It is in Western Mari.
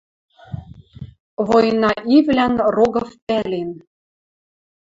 Война ивлӓн Рогов пӓлен